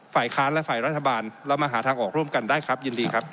ฝ่ายค้านและฝ่ายรัฐบาลเรามาหาทางออกร่วมกันได้ครับยินดีครับ